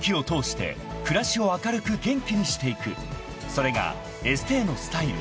［それがエステーのスタイル］